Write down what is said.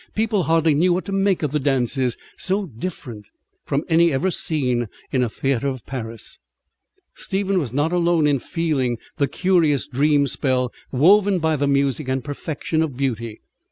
People hardly knew what to make of the dances, so different from any ever seen in a theatre of Paris. Stephen was not alone in feeling the curious dream spell woven by music and perfection of beauty.